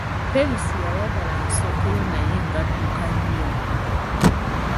Perusi yayagala amusookeyo naye nga adduka nnyo.